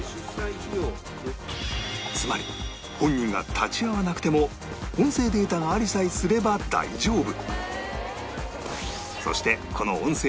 つまり本人が立ち会わなくても音声データがありさえすれば大丈夫